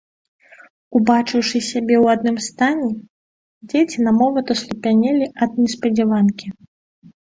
Убачыўшы сябе ў адным стане, дзеці на момант аслупянелі ад неспадзяванкі.